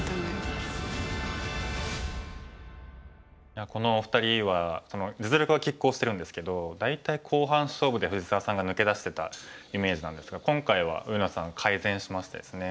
いやこのお二人は実力はきっ抗してるんですけど大体後半勝負で藤沢さんが抜け出してたイメージなんですが今回は上野さん改善しましてですね